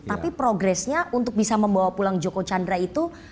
tapi progresnya untuk bisa membawa pulang joko chandra itu